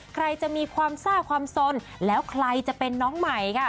ใครจะมีความซ่าความสนแล้วใครจะเป็นน้องใหม่ค่ะ